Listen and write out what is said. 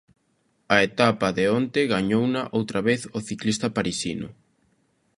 A etapa de onte gañouna outra vez o ciclista parisino.